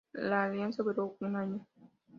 La alianza duró un año.